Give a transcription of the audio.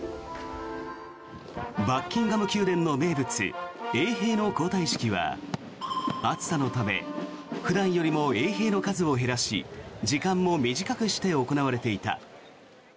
バッキンガム宮殿の名物衛兵の交代式は暑さのため普段よりも衛兵の数も減らし時間も短くして行われていた。